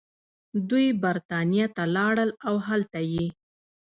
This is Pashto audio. دوي برطانيه ته لاړل او هلتۀ ئې